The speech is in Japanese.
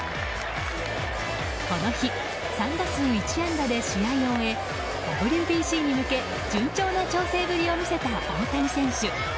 この日３打数１安打で試合を終えＷＢＣに向け順調な調整ぶりを見せた大谷選手。